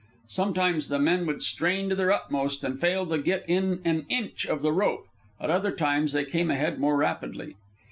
Sometimes the men would strain to their utmost and fail to get in an inch of the rope; at other times they came ahead more rapidly.